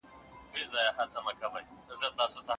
لویه جرګه د نوي اساسي قانون د جوړولو لپاره کله راوبلل سوه؟